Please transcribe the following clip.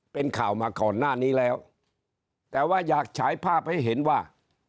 เป็นข่าวมาก่อนหน้านี้แล้วแต่ว่าอยากฉายภาพให้เห็นว่า